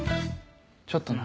ちょっとな。